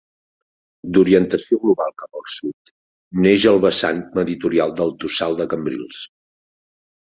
D'orientació global cap al sud, neix al vessant meridional del Tossal de Cambrils.